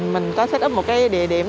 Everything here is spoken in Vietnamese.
mình có set up một địa điểm